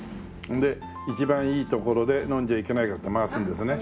で一番いい所で飲んじゃいけないからって回すんですね。